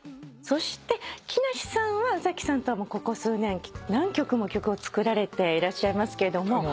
そして木梨さんは宇崎さんとはここ数年何曲も曲を作られていらっしゃいますけども。